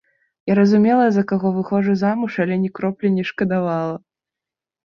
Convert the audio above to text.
Я разумела, за каго выходжу замуж, але ні кроплі не шкадавала.